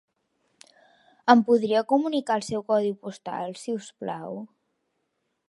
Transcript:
Em podria comunicar el seu codi postal, si us plau?